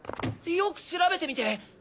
よく調べてみて！